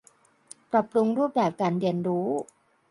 ปรับปรุงรูปแบบการเรียนรู้